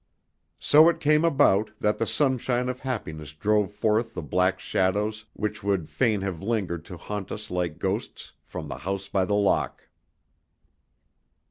So it came about that the sunshine of happiness drove forth the black shadows which would fain have lingered to haunt us like ghosts from the House by the Lock.